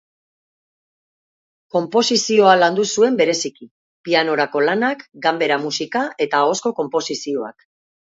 Konposizioa landu zuen, bereziki: pianorako lanak, ganbera-musika eta ahozko konposizioak.